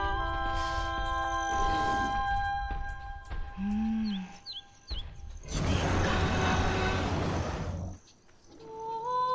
うん来てよかった。